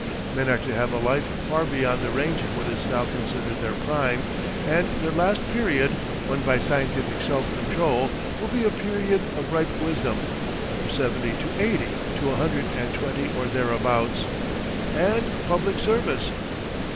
Men are to have a life far beyond the range of what is now considered their prime, and their last period (won by scientific self control) will be a period of ripe wisdom (from seventy to eighty to a hundred and twenty or thereabouts) and public service!